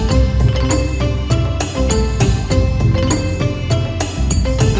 โชว์สี่ภาคจากอัลคาซ่าครับ